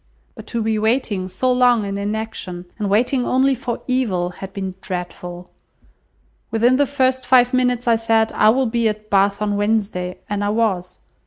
But to be waiting so long in inaction, and waiting only for evil, had been dreadful. Within the first five minutes I said, 'I will be at Bath on Wednesday,' and I was.